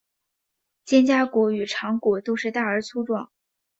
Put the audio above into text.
肩胛骨与肠骨都是大而粗壮。